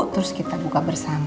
terus kita buka bersama